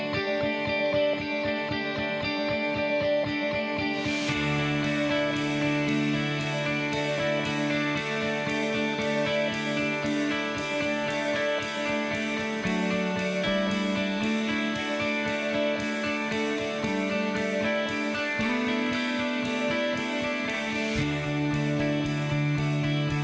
โปรดติดตามตอนต่อไป